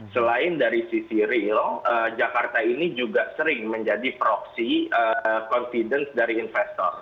selain dari sisi real jakarta ini juga sering menjadi proxy confidence dari investor